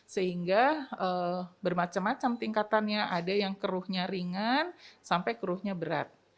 sehingga bermacam macam tingkatannya ada yang keruhnya ringan sampai keruhnya berat